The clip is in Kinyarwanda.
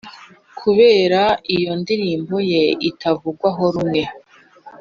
Kubera iyo ndirimbo ye itavugwaho rumwe